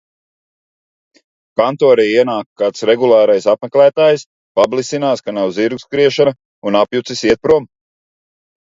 Kantorī ienāk kāds regulārais apmeklētājs, pablisinās, ka nav zirgu skriešana un apjucis iet prom.